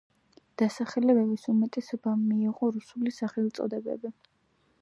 დასახლებების უმეტესობამ მიიღო რუსული სახელწოდებები.